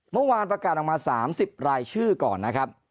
เมื่อวานประกาศออกมา๓๐รายชื่อก่อนนะครับ